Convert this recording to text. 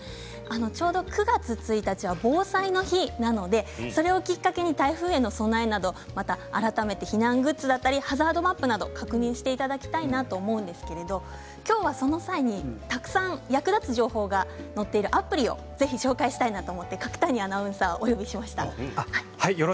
ちょうど９月１日は防災の日なのでそれをきっかけに台風への備えなどまた改めて避難グッズだったりハザードマップなどを確認していただきたいなと思うんですけれど今日は、その際にたくさん役立つ情報が載っているアプリを、ぜひ紹介したいなと思って角谷アナウンサーをお呼びしました。